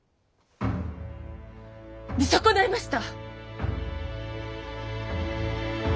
見損ないました！